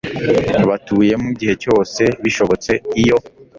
batuyemo igihe cyose bishobotse iyo